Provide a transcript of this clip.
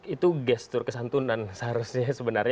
itu gestur kesantunan seharusnya sebenarnya